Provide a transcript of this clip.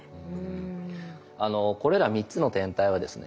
これら３つの天体はですね